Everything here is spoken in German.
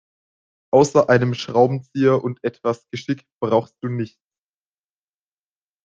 Außer einem Schraubenzieher und etwas Geschick brauchst du nichts.